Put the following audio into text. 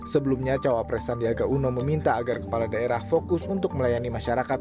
sebelumnya cawa pres sandiaga uno meminta agar kepala daerah fokus untuk melayani masyarakat